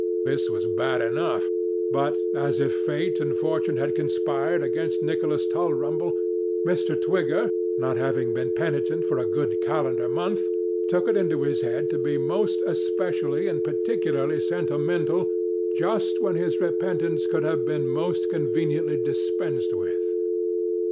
This was bad enough, but, as if fate and fortune had conspired against Nicholas Tulrumble, Mr. Twigger, not having been penitent for a good calendar month, took it into his head to be most especially and particularly sentimental, just when his repentance could have been most conveniently dispensed with.